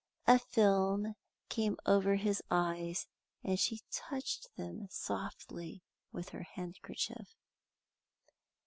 A film came over his eyes, and she touched them softly with her handkerchief.